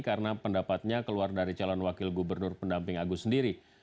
karena pendapatnya keluar dari calon wakil gubernur pendamping agus sendiri